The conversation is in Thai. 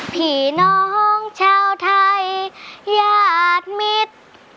ผีน้องชาวไทยาดมิด